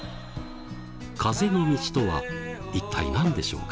風の道とは一体何でしょうか？